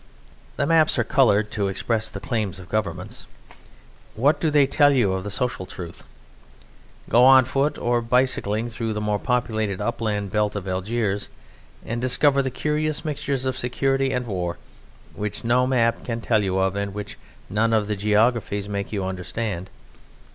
The maps are coloured to express the claims of Governments. What do they tell you of the social truth? Go on foot or bicycling through the more populated upland belt of Algiers and discover the curious mixture of security and war which no map can tell you of and which none of the geographies make you understand.